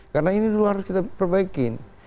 karena ini dulu harus kita perbaiki